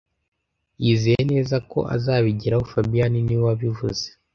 Yizeye neza ko azabigeraho fabien niwe wabivuze